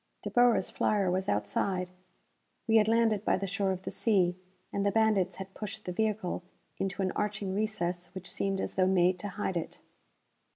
De Boer's flyer was outside. We had landed by the shore of the sea, and the bandits had pushed the vehicle into an arching recess which seemed as though made to hide it.